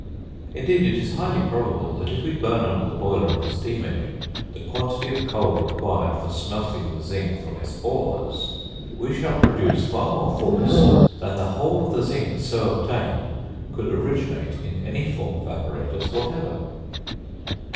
Indeed it is highly probable, that if we burn under the boiler of a steam engine the quantity of coal required for smelting the zinc from its ores, we shall produce far more force than the whole of the zinc so obtained could originate in any form of apparatus whatever.